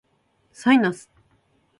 サイナス